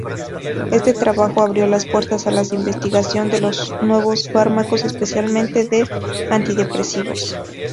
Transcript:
Este trabajo abrió las puertas a la investigación de nuevos fármacos, especialmente de antidepresivos.